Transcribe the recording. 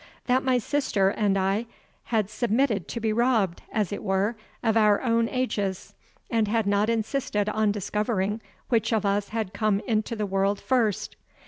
that my sister and I had submitted to be robbed, as it were, of our own ages, and had not insisted on discovering which of us had come into the world first?